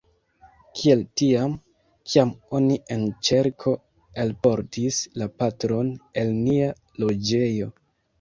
Kiel tiam, kiam oni en ĉerko elportis la patron el nia loĝejo.